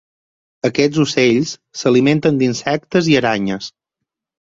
Aquests ocells s'alimenten d'insectes i aranyes.